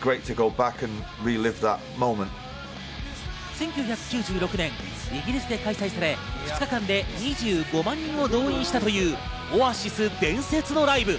１９９６年、イギリスで開催され２日間で２５万人を動員したというオアシス伝説のライブ。